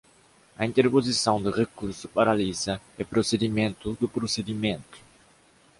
A interposição do recurso paralisa o procedimento do procedimento.